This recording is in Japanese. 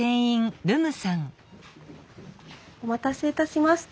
お待たせいたしました。